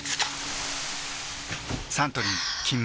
サントリー「金麦」